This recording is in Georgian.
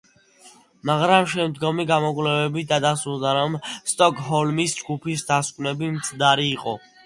მაგრამ შემდგომი გამოკვლევებით დადასტურდა, რომ სტოკჰოლმის ჯგუფის დასკვნები მცდარი იყო.